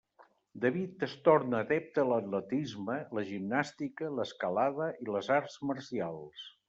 David es torna adepte a l'atletisme, la gimnàstica, l'escalada i les arts marcials.